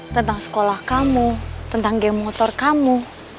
tentang sekolah kamu tentang geng motor kamu